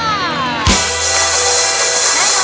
ครับ